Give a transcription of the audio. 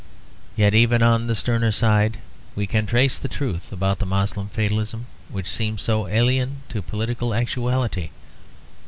Yet even on the sterner side, we can trace the truth about the Moslem fatalism which seems so alien to political actuality.